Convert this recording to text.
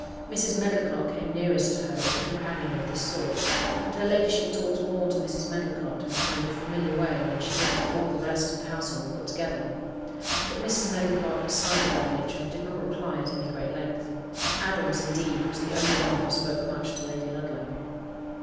Mrs. Medlicott came nearest to her as a companion of this sort; and her ladyship talked more to Mrs. Medlicott, in a kind of familiar way, than she did to all the rest of the household put together. But Mrs. Medlicott was silent by nature, and did not reply at any great length. Adams, indeed, was the only one who spoke much to Lady Ludlow.